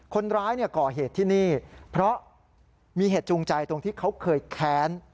คนร้ายก่อเหตุที่นี่เพราะมีเหตุจูงใจตรงที่เขาเคยแค้น